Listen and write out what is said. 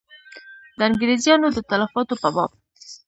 د انګرېزیانو د تلفاتو په باب.